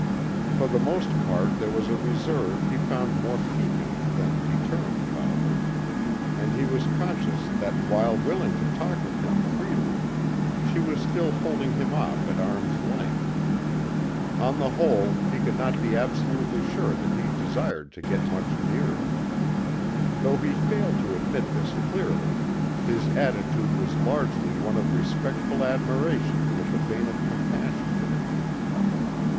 For the most part there was a reserve he found more piquant than deterrent about her, and he was conscious that while willing to talk with him freely she was still holding him off at arm's length. On the whole, he could not be absolutely sure that he desired to get much nearer. Though he failed to admit this clearly, his attitude was largely one of respectful admiration with a vein of compassion in it.